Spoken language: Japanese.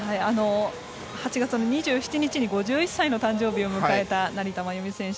８月の２７日に５１歳の誕生日を迎えた成田真由美選手